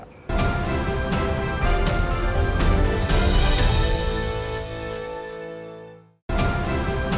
bagaimana menurut anda apa yang akan terjadi